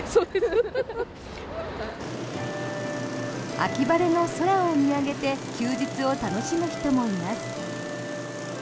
秋晴れの空を見上げて休日を楽しむ人もいます。